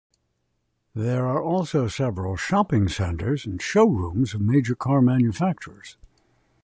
There are also several shopping centers and showrooms of major car manufacturers.